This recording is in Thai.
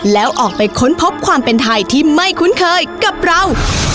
แล้วออกไปค้นพบความเป็นไทยที่ไม่คุ้นเคยกับเรา